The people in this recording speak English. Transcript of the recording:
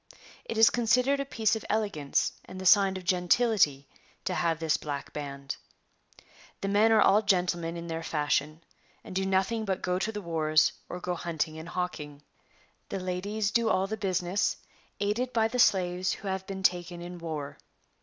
It is considered a piece of elegance and the sign of gentility to have this black band.] The men are all gentlemen in their fashion, and do nothing but go to the wars, or go hunting and hawking. The ladies do all the business, aided by the slaves who have been taken in war.